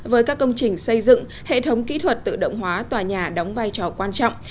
với các công trình xây dựng hệ thống kỹ thuật tự động hóa tòa nhà đóng vai trò quan trọng